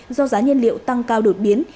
do giá nhân liệu tăng cao đột biến